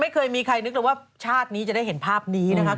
เคยมีใครนึกเลยว่าชาตินี้จะได้เห็นภาพนี้นะครับ